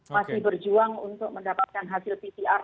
masih berjuang untuk mendapatkan hasil pcr